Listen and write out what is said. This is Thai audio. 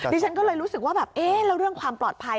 ดิฉันก็เลยรู้สึกว่าแบบเอ๊ะแล้วเรื่องความปลอดภัย